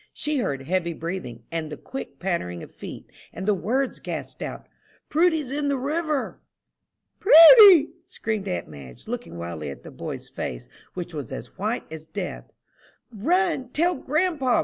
She heard heavy breathing, and the quick pattering of feet, and the words gasped out, "Prudy's in the river!" "Prudy!" screamed aunt Madge, looking wildly at the boy's face, which was as white as death. "Run, tell grandpa!"